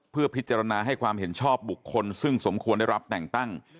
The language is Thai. เพื่อพิจารณาให้ความเห็นชอบบุคคลซึ่งสมควรได้รับแต่งตั้ง